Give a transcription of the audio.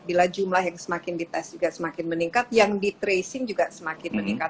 bila jumlah yang semakin dites juga semakin meningkat yang di tracing juga semakin meningkat